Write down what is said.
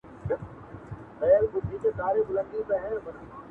همدا اوس یوې رسنۍ ته بشپړه اجازه ورکړئ